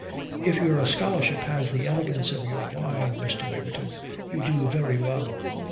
"If your scholarship has the elegance of your wine, Mr. Waverton, you do very well.